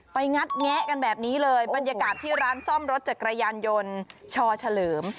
งัดแงะกันแบบนี้เลยบรรยากาศที่ร้านซ่อมรถจักรยานยนต์ชอเฉลิม